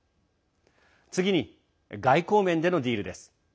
次に外交面でのディールです。